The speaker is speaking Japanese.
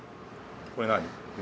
これ何？